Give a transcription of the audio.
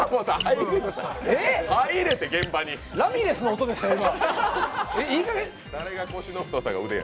ラミレスの音でしたよ、今。